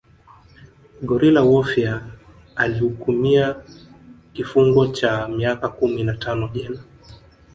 Guerrilla warfar Alihukumia kifungo cha miaka kumi na tano jela